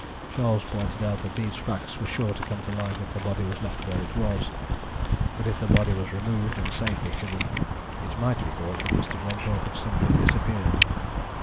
Charles pointed out that these facts were sure to come to light if the body was left where it was, but if the body was removed and safely hidden, it might be thought that Mr. Glenthorpe had simply disappeared.